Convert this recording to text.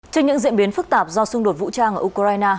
trên những diễn biến phức tạp do xung đột vũ trang ở ukraine